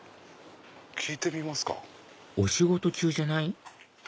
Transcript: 聞いてみますか。お仕事中じゃない？